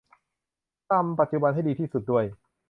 ทำปัจจุบันให้ดีที่สุดด้วย